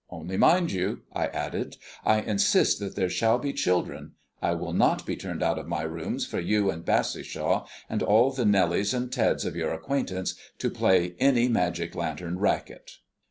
Only, mind you," I added, "I insist that there shall be children. I will not be turned out of my rooms for you and Bassishaw and all the Nellies and Teds of your acquaintance to play any magic lantern racket."